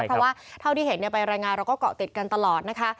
เพราะว่าเท่าที่เห็นไปรายงานเราก็เกาะติดกันตลอดนะคะ